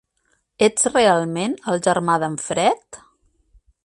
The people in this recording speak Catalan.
Ets realment el germà d'en Fred?